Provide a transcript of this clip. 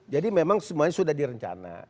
jadi memang semuanya sudah direncana